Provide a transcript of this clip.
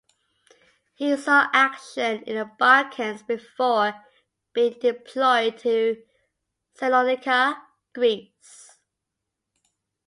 He saw action in the Balkans before being deployed to Salonica, Greece.